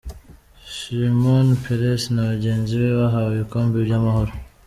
Shimon Peres na bagenzi be bahawe ibikombe by'amahoro.